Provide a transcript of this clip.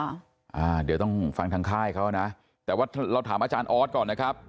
อ่าเดี๋ยวต้องฟังทางค่ายเขานะแต่ว่าเราถามอาจารย์ออสก่อนนะครับ